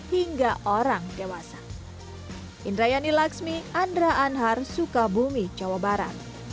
hingga orang dewasa